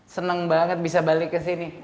senang banget bisa balik ke sini